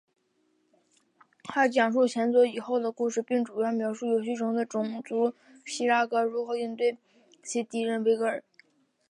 它讲述前作以后的故事并主要描述游戏中的种族希格拉如何应对其新敌人维格尔。